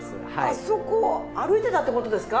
あそこを歩いてたって事ですか？